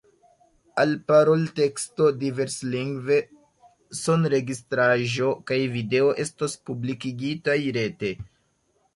Alparolteksto diverslingve, sonregistraĵo kaj video estos publikigitaj rete.